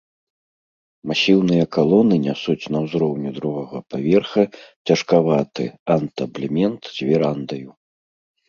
Масіўныя калоны нясуць на ўзроўні другога паверха цяжкаваты антаблемент з верандаю.